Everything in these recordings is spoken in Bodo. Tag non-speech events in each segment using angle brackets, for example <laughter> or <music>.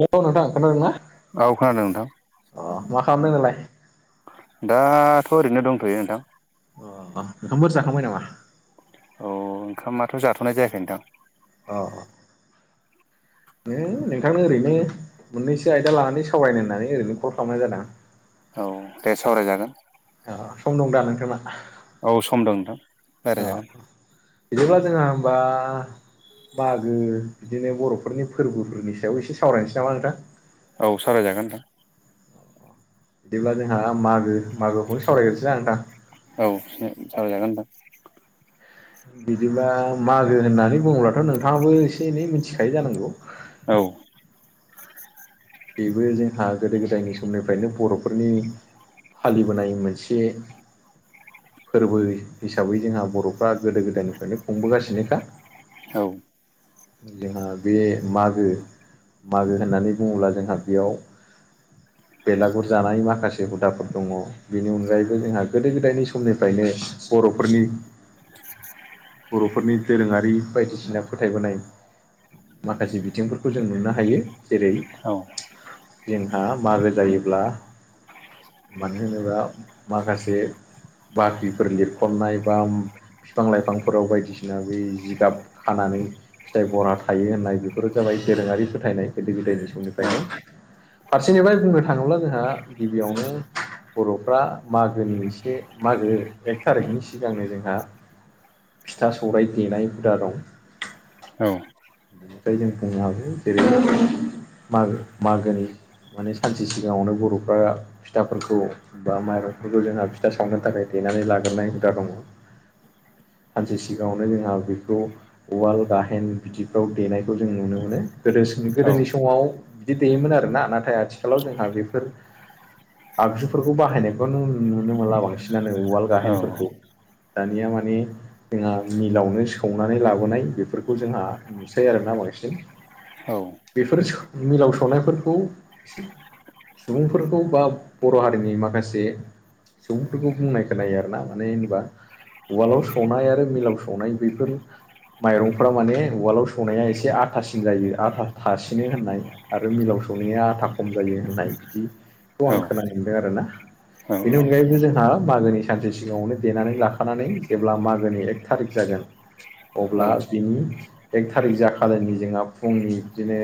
हेल' नोंथां खोनादों ना <inaudible> औ खोनादों नोंथां। <inaudible> अ मा खालामदों नोंलाय दाथ' ओरैनो दंथ'यो नोंथां। अ अ ओंखाम बोर जाखांबाय नामा? औ ओंखामाथ' जाथ'नाय जायाखै नोंथां। औ। माने नोंथांनो ओरैनो मोननैसो आयदा लानानै सावरायनो होननानै ओरैनो कल खालामनाय जादां। औ दे सावरायजागोन। ओ सम दं दा नोंथांना? औ सम दं नोंथां। औ रायज्लायजागोन बिदिबा जोंहा होनबा मागो बिदिनो बर'फोरनि फोरबोफोरनि सायाव एसे सावरायनोसै नामा नोंथां? औ सावराजागोन नोंथां। बिदिब्ला जोंहा मागो मागोखौनो सावरायग्रोनोसै ना नोंथां? औ सावराजागोन नोंथां। बिदिबा मागो होननानै बुङोलाथ' नोंथाङाबो एसे एनै मिथिखायो जानांगौ। औ। बेबो जोंहा गोदो गोदायनि समनिफ्रायनो बर'फोरनि फालिबोनाय मोनसे फोरबो हिसाबै जोंहा बर' बा गोदो गोदायनिफ्रायनो खुंबोगासिनोखा। औ। जोंहा बे मागो मागो होननानै बुङोब्ला जों दा बेयाव <inaudible> बेलागुर जानाय माखासे हुदाफोर दङ। बेनि अनगायैबो जोंहा गोदो गोदायनि समनिफ्रायनो बर'फोरनि बर'फोरनि दोरोङारि बायदिसिना फोथायबोनाय माखासे बिथिंफोरखौ जों नुनो हायो जेरै औ। जोंहा मारल जायोब्ला <inaudible> मानो होनोब्ला माखासे बाख्रिफोर लिरख'नाय बा बिफां-लाइफांफोराव बायदिसिना बै जिगाब खानानै फिथाइ बरा थायो होननाय बेफोरो जाबाय दोरोङारि फोथायनाय गोदो गोदायनि औ समनिफ्रायनो। फारसेनिफ्राय बुंनो थाङोब्ला जोंहा गिबियावनो बर'फ्रा मागोनि एसे मागो एक थारिखनि सिगांनो जोंहा फिथा सौरायाइ देनाय हुदा दं। औ। बेनिफ्राय जों बुंनो हागौ जेरै मा-मागोनि माने सानसे सिगाङावनो बर'फ्रा फिथाफोरखौ बा माइरंफोरखौ जोंहा फिथा सावनो थाखाय देनानै लाग्रोनाय हुदा दङ सानसे सिगाङावनो जोंहा बेखौ उवाल गाहेन बिदिफ्राव देनायखौ जों नुनो मोनो गोदो औ गोदोनि समाव बिदि दैयोमोन आरोना नाथाय आथिखालाव जोंहा बेफोर आगजुफोरखौ बाहायनायखौ नुनो मोनला बांसिनानो उवाल औ गाहेनफोरखौ दानिया मानि जोंहा मिलावनो सौनानै लाबोनाय बेफोरखौ जोंहा नुसै आरोना बांसिन बेफोर मिलाव सौनायफोरखौ सुबुंफोरखौ बा बर' हारिनि माखासे सुबुंफोरखौ बुंनाय खोनायो आरोना माने होनबा उवालाव सौनाय आरो मिलाव सौनाय बेफोर माइरंफोरा माने उवालाव सौनाया एसे आथासिन जायो आथा थासिनो होननाय आरो मिलाव सौनाया आथा खम जायो होननाय बिदिखौ आं खोन मोनदों आरोना। बेनि अनगायैबो जोंहा मागोनि सानसे सिगाङावनो देनानै लाखानानै जेब्ला मागोनि एक थारिक जागोन अब्ला बिनि एक थारिक जाखानायनि जोंहा फुंनि बिदिनो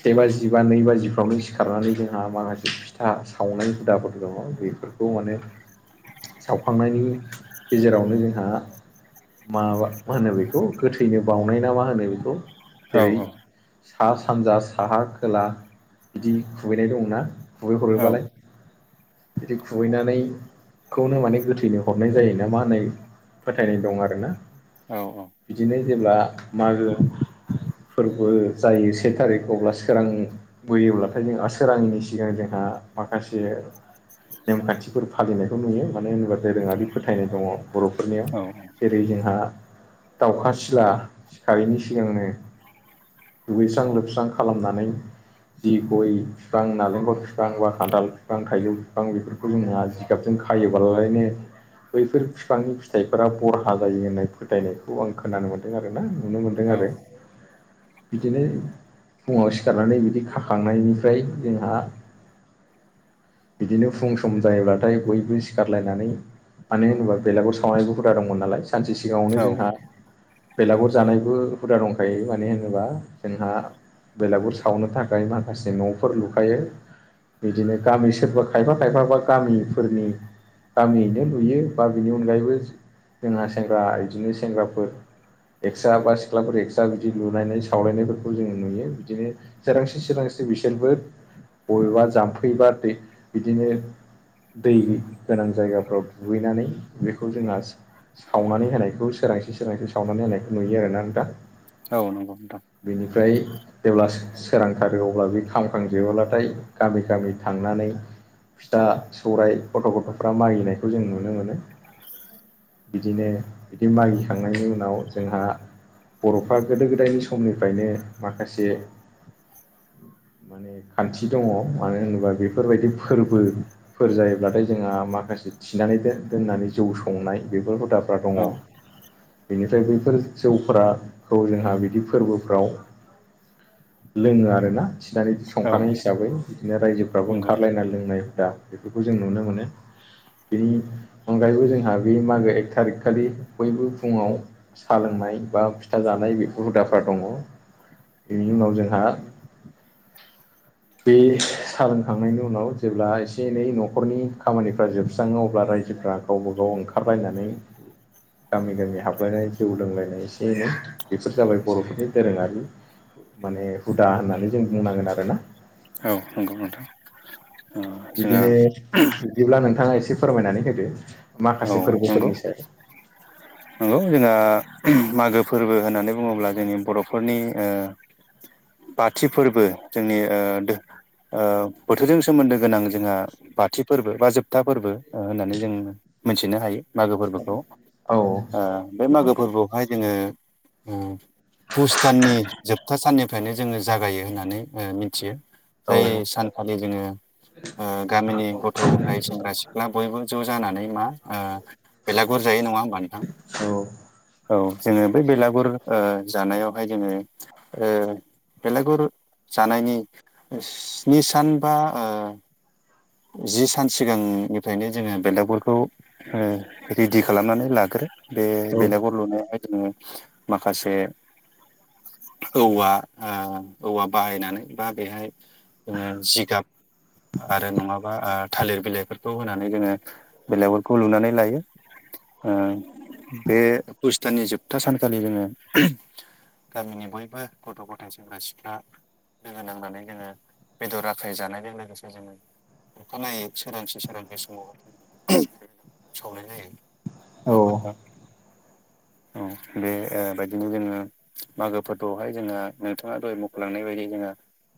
से बाजि बा नै बाजिफ्रावनो सिखारनानै जोंहा माखासे फिथा सावनाय हुदाफोर दङ बेफोरखौ माने सावखांनायनि गेजेरावनो जोंहा माबा मा होनो बेखौ गोथैनो बावउनाय ना मा होनो बेखौ औ जेरै सा सानजा साहा खोला बिदि खुबैनाय दं ना खुबैहरोबालाय बिदि खुबैनानै खौनो माने गोथैनो हरनाय जायो ना मा होननाय फोथायनाय दं आरोना। औ औ बिदिनो जेब्ला मागो फोरबो जायो से थारिख अब्ला सोरां बोयोब्लाथाय जों सोरांनि सिगां जोंहा माखासे नेमखान्थिफोर फालिनायखौ नुयो मानो होनोबा दोरोङारि फोथायनाय दङ बर'फोरनियाव जेरै जोंहा दाउखा सिला सिखारैनि सिगांनो दुगैस्रां लोबस्रां खालामनानै जि गय बिफां नालेंखल बिफां बा खादाल बिफां थाइजौ बिफां बेफोर खौ जोंहा जिगाबजों खायोबालायनो बैफोर बिफांनि फिथाइफोरा बरहा जायो होननाय फोथायनायखौ आं खोनानो मोन्दों आरोना। नुनो मोनदों आरो बिदिनो फुंङाव सिखारनानै बिदि खाखांनायनिफ्राय जोंहा बिदिनो फुं सम जायोब्लाथाय बयबो सिखारलायनानै मानो होनोबा बेलागाव सावनायबोुरा दंमोन नालाय सानसे‌ सिगाङावनो औ जोंहा बेलागुर जानायबो हुदा दंखायो मानो होनोबा जोंहा बेलागुर सावनो थाखाय माखासे न'फोर लुखायो बिदिनो गामि सोरबा खायफा खायफाबा गामिफोरनि गामियैनो लुयो बा बिनि अनगायैबो जोंहा सेंग्रा बिदिनो सेंग्राफोर एक्सट्रा बा सिख्लाफोर एक्सट्रा बिदि लुायनाय सावलायनायफोरखौ जोंङो नुयो। बिदिनो सोरांसि सोरांसि बिसोरबो बबेबा जाम्फैबा दै बिदिनो दै गोनां जायगाफ्राव दुगैनानै बेखौ जोंहा सावनानै होनायखौ सोरांसे सोरांस सावनानै होनायखौ नुयो आरोना आं दा। औ नंगौ नोंथां बिनिफ्राय जेब्ला सोरांथारो अब्ला बे खामखांजोबोब्लाथाय गामि गामि थांनानै फिथा सौराय गथ' गथ'फ्रा मागिनायखौ जों नुनो मोनो। बिदिनो बिदि मागिखांनायनि उनाव जोंहा बर'फ्रा गोदो गोदायनि समनिफ्रायनो माखासे माने खान्थि दङ मानो होनोबा बेफोरबायदि फोरबो फोर जायोब्लाथाय जोंहा माखासे थिनानै दोननानै जौ संनाय बेफोर हुदाफ्रा दङ। औ बिनिफ्राय बैफोर जौफोराखौ जोंहा बिदि फोरबोफ्राव लोङो आरो ना थिनानै औ संखानाय हिसाबै बिदिनो रायजोफ्राबो नंगौ ओंखारलायनाय लोंनाय हुदा बेफोरखौ जों नुनो मोनो। बेनि अनगायैबो जोंहा बे मागो एक थारिकखालि बयबो फुङाव साहा लोंनाय बा फिथा जानाय बेफोर हुदाफ्रा दङ। बेनि उनाव जोंहा बे सा लोंखांनायनि उनाव जेब्ला एसे एनै न'खरनि खामानिफ्रा जोबस्राङो अब्ला रायजोफ्रा गावबा गाव ओंखारलायनानै गामि गामि हाबलायनाय जौ लोंलायनाय एसे एनै बेफोर जाबाय बर'फोरनि दोरोङारि माने हुदा होननानै जों बुंनांगोन आरो ना। औ नंगौ नोंथां ओ जोंहा बिदिनो बिदिब्ला नोंथाङा एसे फोरमायनानै होदो औ माखासे नंगौ फोरबोफोरनि सायाव। नंगौ जोंहा मागो फोरबो होननानै बुङोब्ला जोंनि बर'फोरनि ओ बाथि फोरबो जोंनि ओ दो ओ बोथोरजों सोमोन्दो गोनां। जोंहा बाथि फोरबो बा जोबथा फोरबो होननानै जों मोनथिनो हायो मागो फोरबोखौ। औ ओ बे मागो फोरबोआवहाय जोङो पुस दाननि जोबथा साननि बेखायनो जोङो जागायो होननानै मोनथियो। औ जाय सानखालि जोङो ओ गामिनि गथ' गथाइ सेंग्रा सि ख्ला बयबो ज' जानानै मा बेलागुर जायो नङा होमबा नोंथां? औ औ जोङो बै बेलागुर ओ जानायावहाय जोङो ओ बेलागुर जानायनि स्नि सान बा ओ जि सान सिगांनिफ्रायनो जोङो बेलागुरखौ ओ रेडि खालामनानै लागोरो। बे औ बेलागुर लुनायावहाय जोङो माखासे औवा ओ औवा बाहायनानै बा बेहाय जोङो जिगाब आरो नङा ओ थालिर बिलाइफोरखौ होनानै जोङो बिलागुरखौ लुनानै लायो। ओ बे फुस दाननि जोबथा सानखालि जोङो गामिनि बयबो गथ' गथा सेंग्रा सिख्ला लोगो नांनानै जोङो बेदर आखै जानायजों लोगोसे जोङो अखानायै सोरांसे सोरांसे समाव सावनाय जायो। औ नोंथां। <inaudible> औ बेबायदिनो जोङो मागोफोरखौहाय जोङो नोंथाङा दाहाय मुख'लांनाय बायदि जोङो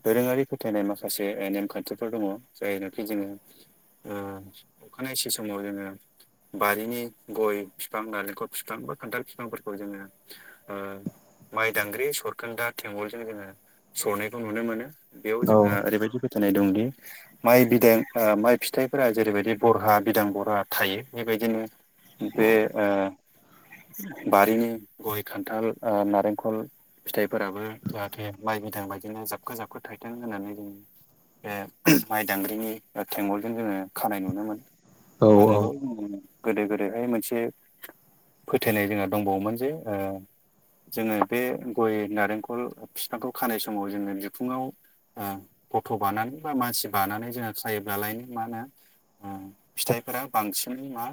दोरोङारि फोथायनाय माखासे नेमखान्थिफोर दङ जायनाखि जोङो ओ अखानायसि समाव जोङो बारिनि गय फिफां नालेंखर फिफां बा खान्थाल फिफांफोरखौ जोङो ओ माइ दांग्रि सरखोन्दा थेंगलजों जोङो सरनायखौ नुनो मोनो। बेयाव औ जोंहा ओरैबायदि फोथायनाय दंदि माइ ओ माइ फिथाइफोरा जेरैबायदि बरहा बिदां बरहा थायो बेबायदिनो बे ओ बारिनि गय खान्थाल नारेंखल फिथाइफोराबो जाहाथे माइ बिदां बायदिनो जाबखो जाबखो थाइथों होननानै जोङो बे माइ दांग्रिनि थेंगलजों जोङो खानाय नुनो मोनो औ आरोबाव जोङो गोदो गोदायहाय मोनसे फोथायनाय जोंहा दंबावोमोन जे ओ जोङो बे गय नारेंखल बिफांखौ खानाय समाव जोङो बिखुङाव गथ' बानानै बा मानसि बानानै जोङो सायोब्लालाय मा होनो फिथाइफोरा बांसिनै मा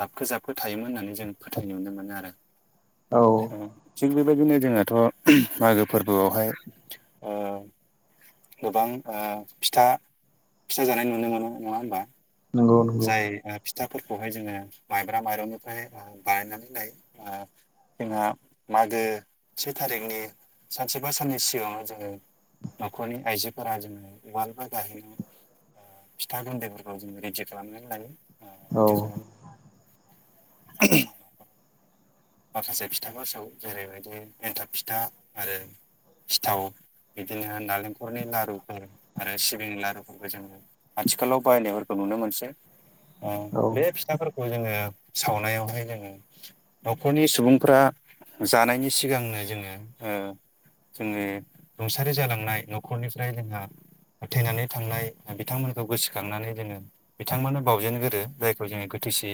जाबखो जाबखो थायोमोन होननानै जों फोथायनाय नुनो मोनो आरो। औ थिग बेबायदिनो जोंहाथ' मागो फोरबोआवहाय गोबां ओ फिथा फिथा जानाय नुनो मोनो नङा होमबा? नंगौ नंगौ जाय फिथाफोरखौहाय जोङो माइब्रा माइरंनिफ्राय बानायनानै लायो। जोंहा मागो से थारिखनि सानसेबा साननै सिगाङावनो जोङो न'खरनि आइजोफोरा जोङो उवाल बा दाहैनो फिथा गुन्दैफोरखौ जोङो रेडि खालामनानै लायो औ माखासे फिथाफोर सावो जेरैबायदि एन्थाब फिथा आरो सिथाव बिदिनो नालेंखलनि लारुफोर आरो सिबिंनि लारुफोरबो जोङो आथिखालाव बाहायनायफोरखौ नुनो मोनसै। औ बे फिथाफोरखौ जोङो सावनायावहाय जोङो न'खरनि सुबुंफ्रा जानायनि सिगांनो जोङो ओ जोङो रुंसारि जालांनाय न'खरनिफ्राय जोंहा थैनानै थांनाय बिथांमोनखौ गोसोखांनानै जोङो बिथांमोननो बाजेनगोरो जायखौ जोङो गोथैसि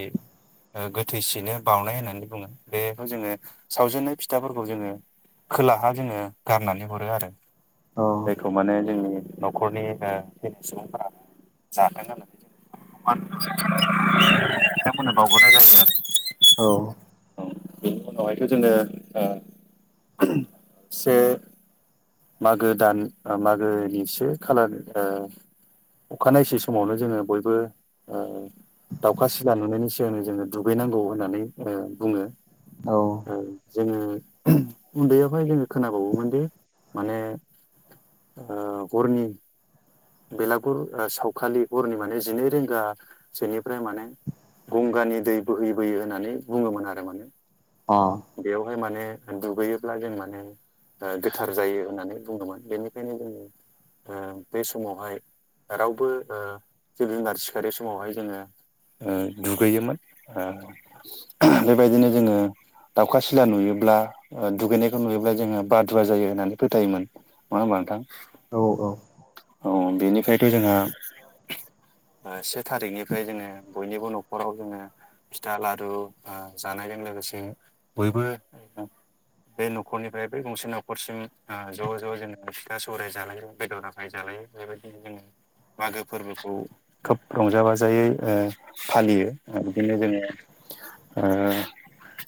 गोथैसिनो बाउनाय होननानै बुङो बेखौ जोङो सावजेननाय फिथाफोरखौ जोङो खोलाहा जोङो गारनानै हरो आरो। औ जायखौ माने जोंनि न'खरनि थैनाय सुबुंफोरा जागोन होननानै जों बिथांमोननो बावबोननाय जायो आरो औ औ बेनि उनावहायथ' जोङो से मागो दान मागोनिसे खालार ओ अखानायसै समावनो जोङो बयबो ओ दाउखा सिला नुनायनि सिगांनो जोङो दुगैनांगौ होननानै बुङो। औ जोङो उन्दैयावहाय जोङो खोनाबावोमोन दि माने ओ हरनि बेलागुर सावखालि हरनि माने जिनै रिंगासोनिफ्राय माने गंगानि दै बोहैबोयो होननानै बुङोमोन आरो माने अह बेवहाय माने दुगैयोब्ला जों माने गोथार जायो होननानै बुङोमोन बेनिखायनो जोङो ओ बे सम समावहाय रावबो ओ जिब जुनार सिखारनाय समावहाय जोङो ओ दुगैयोमोन ओ बेबायदिनो जोङो दाउखा सिला नुयोब्ला दुगैनायखौ नुयोब्ला जोङो बादुवा जायो होननानै फोथायोमोन। नङा होनबा नोंथां औ औ औ बेनिफ्रायथ' जोंहा से थारिखनिफ्राय जोङो बयनिबो न'खराव जोङो फिथा लारु जानायजों लोगोसे बयबो बे न'खरनिफ्राय बै गंसे न'खरसिम ज' ज' जोङो बिथा सौराय जानायजों बेदर आ आखाइ जालायो बेबायदिनो जों मागो फोरबोखौ खोब रंजा बाजायै ओ फालियो बिदिनो जोङो ओ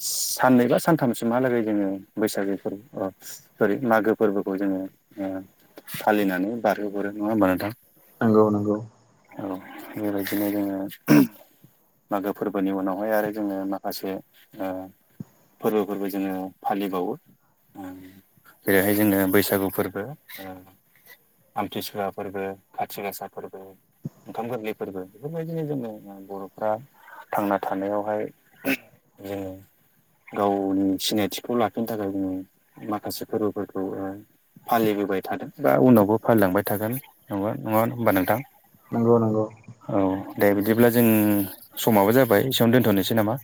साननै बा सानथामसो माहालागै जोङो बैसागोफोर सरि मागो फोरबोखौ जोङो फालिनानै बारहोहरो नङा होमबा नोंथां? नगौ नंगौ। औ बेबायदिनो जोङो मागो फोरबोनि उनावहाय आरो जोङो माखासे फोरबोफोरबो जोङो फालिबावो जेरैहाय जोङो बैसागु फोरबो आमथिसुवा फोरबो खाथि गासा फोरबो। ओंखाम गोरलै फोरबो बेफोरबायदिनो जोङो बर'फ्रा थांना थानायावहाय जो गावनि सिनायथिखौ लाखिनो थाखाय जोङो माखासे फोरबोफोरखौ फालिबोबाय थादों बा उनावबो फालिलांबाय थागोन ना नङा होमबा नोंथां? नंगौ नंगौ। औ दे बिदिब्ला जों समाबो जाबाय एसेयावनो दोन्थ'नोसै नामा?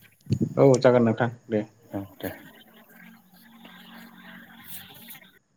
औ जागोन नोंथां दे। औ दे।